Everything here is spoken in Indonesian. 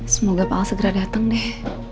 semoga pak al segera datang deh